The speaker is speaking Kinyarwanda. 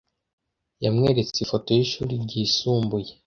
Yamweretse ifoto yishuri ryisumbuye.